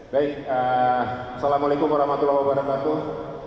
baik assalamu'alaikum warahmatullahi wabarakatuh